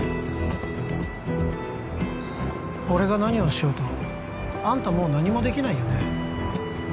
俺が何をしようとあんたもう何もできないよね？